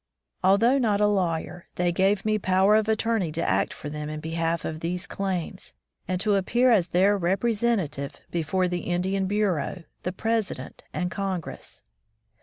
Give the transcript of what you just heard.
Although not a lawyer, they gave me power of attorney to act for them in behalf of these claims, and to appear as their representative before the Indian Bureau, the President, and Congress.